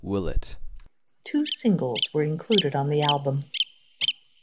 Two singles were included on the album.